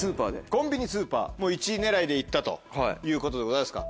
コンビニ・スーパー１位狙いで行ったということでございますか。